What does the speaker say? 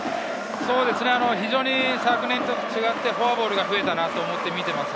非常に昨年と違ってフォアボールが増えたなと思って見ています。